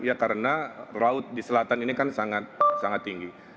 ya karena laut di selatan ini kan sangat tinggi